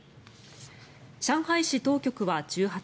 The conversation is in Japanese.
上海市当局は１８日